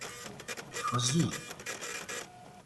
تزیل